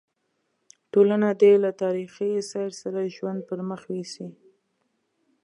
ټولنه دې له تاریخي سیر سره ژوند پر مخ یوسي.